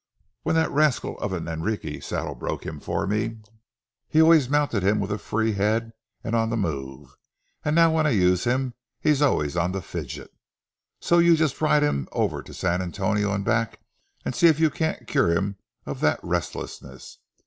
When that rascal of an Enrique saddle broke him for me, he always mounted him with a free head and on the move, and now when I use him he's always on the fidget. So you just ride him over to the San Antonio and back, and see if you can't cure him of that restlessness.